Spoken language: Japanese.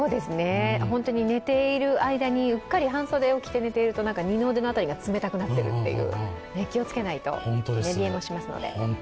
本当に寝ている間にうっかり半袖を着て寝ていると二の腕の辺りが冷たくなっているという、気をつけないと寝冷えもしますので。